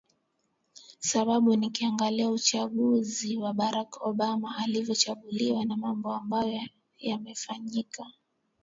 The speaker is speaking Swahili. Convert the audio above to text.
sababu nikiangalia uchaguzi wa barak obama alivyo chaguliwa na mambo ambayo yamefanyika